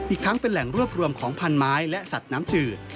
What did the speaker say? ทั้งเป็นแหล่งรวบรวมของพันไม้และสัตว์น้ำจืด